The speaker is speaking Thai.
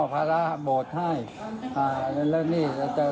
ควรหันขึ้น